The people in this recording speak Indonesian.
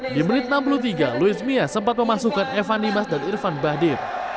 di menit enam puluh tiga luis mia sempat memasukkan evan dimas dan irfan bahdir